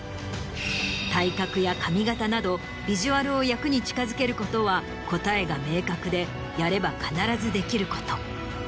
体格や髪形などビジュアルを役に近づけることは答えが明確でやれば必ずできること。